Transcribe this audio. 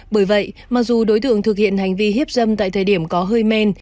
bởi vậy mặc dù đối tượng thực hiện hành vi hiếp dâm tại thời điểm có hơi men